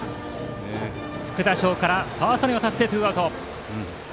福田翔からファーストに渡ってツーアウト。